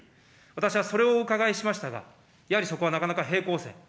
私はそれをお伺いしましたが、やはりそこはなかなか平行線。